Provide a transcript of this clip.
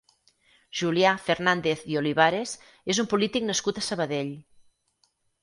Julià Fernàndez i Olivares és un polític nascut a Sabadell.